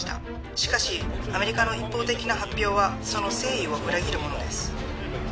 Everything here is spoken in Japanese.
しかしアメリカの一方的な発表はその誠意を裏切るものです